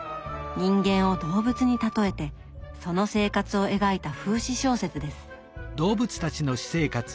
人間を動物に例えてその生活を描いた風刺小説です。